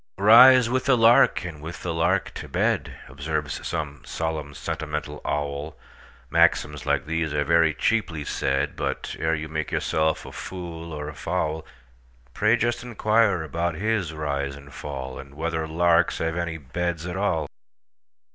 "Rise with the lark, and with the lark to bed,"Observes some solemn, sentimental owl; Maxims like these are very cheaply said; But, ere you make yourself a fool or fowl, Pray just inquire about his rise and fall, And whether larks have any beds at all!